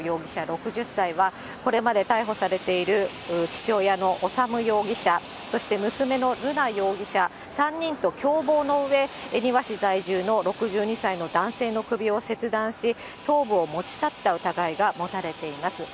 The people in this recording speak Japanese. ６０歳は、これまで逮捕されている父親の修容疑者、そして娘の瑠奈容疑者３人と共謀のうえ、恵庭市在住の６２歳の男性の首を切断し、頭部を持ち去った疑いが持たれています。